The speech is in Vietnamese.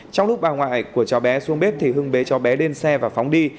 trong lúc bà ngoại của cháu bé xuống bếp thì hưng bế cháu bé lên xe và phóng đi